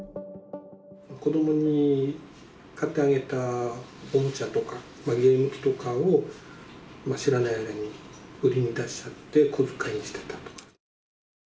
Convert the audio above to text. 子どもに買ってあげた、おもちゃとかゲーム機とかを、知らない間に売りに出しちゃって小遣いにしてたとか。